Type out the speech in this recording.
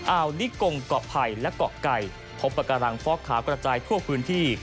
อาวนิกงกไพและกไก่พบปาการังฟอกขาวกระจายทั่วพื้นที่